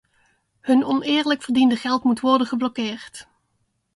Hun oneerlijk verdiende geld moet worden geblokkeerd.